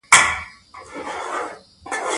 په انګرېزي فلمونو کښې د پښتني ژوند